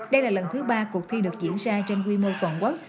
đây là lần thứ ba cuộc thi được diễn ra trên quy mô toàn quốc